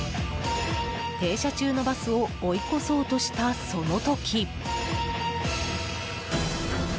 停車中のバスを追い越そうとしたその時！